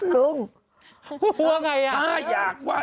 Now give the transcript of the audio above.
ลุงว่าไงอ่ะ